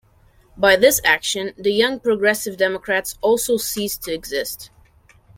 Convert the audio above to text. By this action the Young Progressive Democrats also ceased to exist.